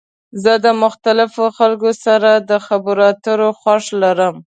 زه د مختلفو خلکو سره د خبرو اترو خوښی لرم.